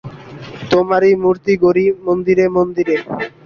তোমারই মুরতি গড়ি মন্দিরে মন্দিরে।